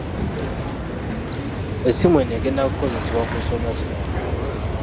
Essimu eno egenda kukozesebwa ku nsonga zino wammanga.